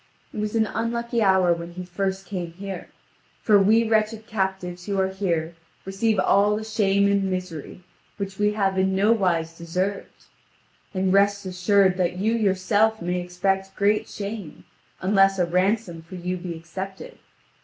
It was an unlucky hour when he first came here, for we wretched captives who are here receive all the shame and misery which we have in no wise deserved. And rest assured that you yourself may expect great shame, unless a ransom for you be accepted.